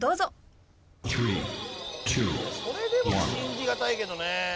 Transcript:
それでも信じがたいけどね。